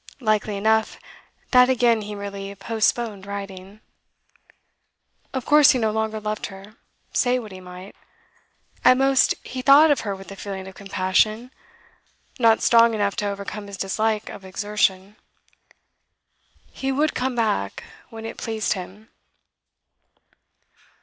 Likely enough that again he merely 'postponed' writing. Of course he no longer loved her, say what he might; at most he thought of her with a feeling of compassion not strong enough to overcome his dislike of exertion. He would come back when it pleased him.